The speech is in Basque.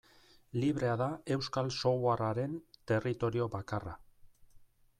Librea da euskal softwarearen territorio bakarra.